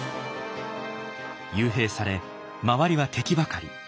幽閉され周りは敵ばかり。